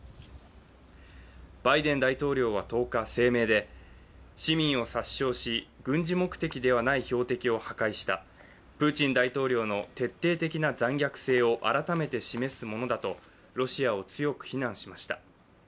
バイデン大統領は１０日、声明で市民を殺傷し、軍事目的ではない標的を破壊したプーチン大統領の徹底的な残虐性を改めて示すものだとロシアを強く非難しました。